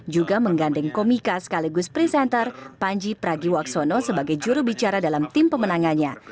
juga menggandeng komika sekaligus presenter panji pragiwaksono sebagai jurubicara dalam tim pemenangannya